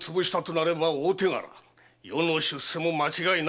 余の出世も間違いなしだ。